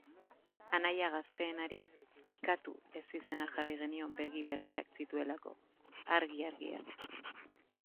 Anaia gazteenari Katu ezizena jarri genion begi berdeak zituelako, argi-argiak.